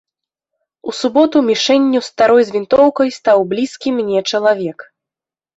У суботу мішэнню старой з вінтоўкай стаў блізкі мне чалавек.